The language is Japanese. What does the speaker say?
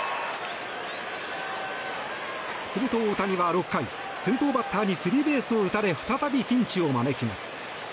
すると大谷は６回先頭バッターにスリーベースを打たれ再びピンチを招きます。